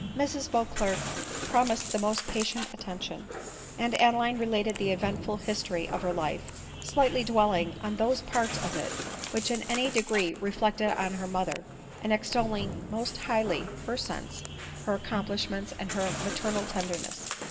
Mrs Beauclerc promised the most patient attention ; 18 V {02 ADELINE MOWBRAY. and Adeline related the eventful history of her life, slight ly dwelling on those parts of it which in any degree re flected on her mother, and extolling most highly her sense, her accomplishments, and her maternal tenderness.